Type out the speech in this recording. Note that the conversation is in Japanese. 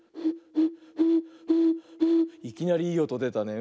いきなりいいおとでたね。